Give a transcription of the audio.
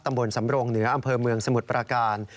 ตำบลสำโรงเหนืออำเภอเมืองสมุทรประการ